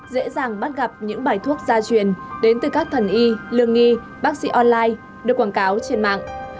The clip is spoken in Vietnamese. dễ dàng bắt gặp những bài thuốc gia truyền đến từ các thần y lương nghi bác sĩ online được quảng cáo trên mạng